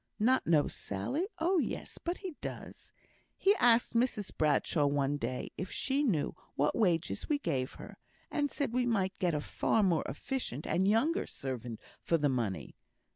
"Not know Sally? Oh yes, but he does. He asked Mrs Bradshaw one day, if she knew what wages we gave her, and said we might get a far more efficient and younger servant for the money.